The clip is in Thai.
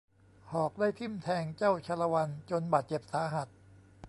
หอกได้ทิ่มแทงเจ้าชาละวันจนบาดเจ็บสาหัส